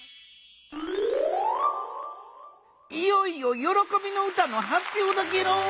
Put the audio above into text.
いよいよ「よろこびの歌」のはっぴょうだゲロン。